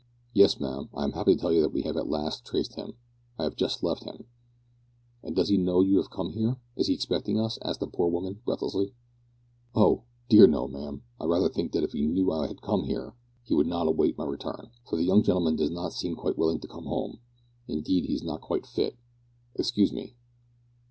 "Yes, ma'am, I am happy to tell you that we have at last traced him. I have just left him." "And does he know you have come here? Is he expecting us?" asked the poor woman breathlessly. "Oh! dear, no, ma'am, I rather think that if he knew I had come here, he would not await my return, for the young gentleman does not seem quite willing to come home. Indeed he is not quite fit; excuse me."